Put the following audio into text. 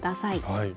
はい。